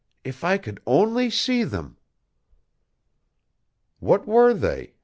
if I could only see them!" What were they?